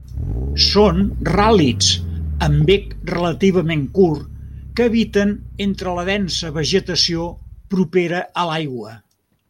Són ràl·lids amb bec relativament curt que habiten entre la densa vegetació propera a l'aigua.